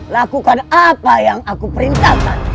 lakukan apa yang aku perintahkan